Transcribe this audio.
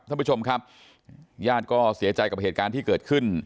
ท่านผู้ชมครับญาติก็เสียใจกับเหตุการณ์ที่เกิดขึ้น